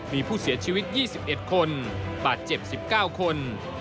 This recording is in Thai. มีผู้เสียชีวิต๒๑คนบาดเจ็บ๑๙คน